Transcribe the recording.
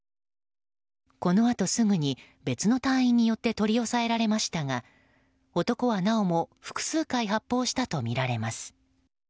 このあとすぐに別の隊員によって取り押さえられましたが男はなおも複数回発砲したとみられます。